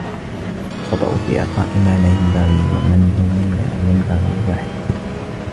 الْخَطَأُ فِي إعْطَاءِ مَا لَا يَنْبَغِي وَمَنْعُ مَا يَنْبَغِي وَاحِدٌ